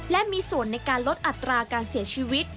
และมีส่วนในการลดอัตราการเสียชีวิต